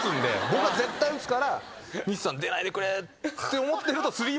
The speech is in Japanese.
僕が絶対打つから仁志さん出ないでくれって思ってると。